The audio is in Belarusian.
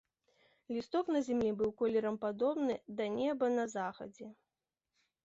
Лісток на зямлі быў колерам падобны да неба на захадзе.